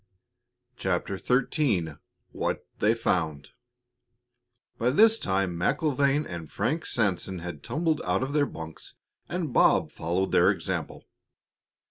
CHAPTER XIII WHAT THEY FOUND By this time MacIlvaine and Frank Sanson had tumbled out of their bunks, and Bob followed their example.